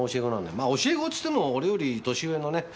まぁ教え子っつっても俺より年上のね。